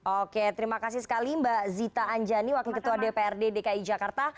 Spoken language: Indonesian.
oke terima kasih sekali mbak zita anjani wakil ketua dprd dki jakarta